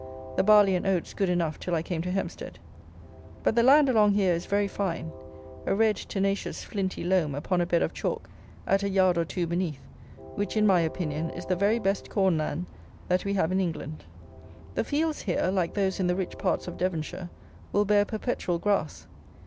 The barley and oats good enough till I came to Hempstead. But the land along here is very fine: a red tenacious flinty loam upon a bed of chalk at a yard or two beneath, which, in my opinion, is the very best corn land that we have in England. The fields here, like those in the rich parts of Devonshire, will bear perpetual grass.